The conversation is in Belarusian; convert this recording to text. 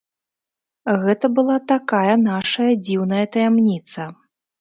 Гэта была такая нашая дзіўная таямніца.